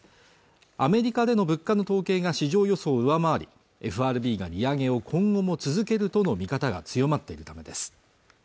アメリカでの物価の統計が市場予想を上回りＦＲＢが利上げを今後も続けるとの見方が強まっているためです